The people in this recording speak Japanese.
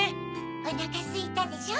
おなかすいたでしょう